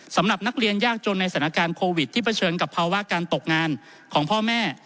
สำหรับนักเรียนยากจนในสถานการณ์โควิดที่เผชิญกับภาวะการตกงานของพ่อแม่